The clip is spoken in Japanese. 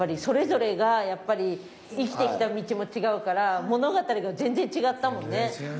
それぞれがやっぱり生きてきた道も違うから物語が全然違ったもんね。